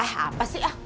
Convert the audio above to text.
hah apa sih